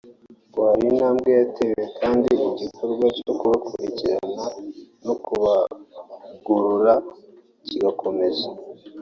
ngo hari intambwe yatewe kandi igikorwa cyo kubakurikirana no kubagorora kigikomeje